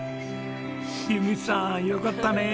由美さんよかったねえ。